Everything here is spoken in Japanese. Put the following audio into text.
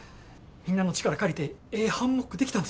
みんなの力借りてええハンモック出来たんです。